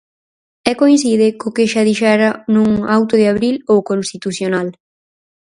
E coincide co que xa dixera nun auto de abril o Constitucional.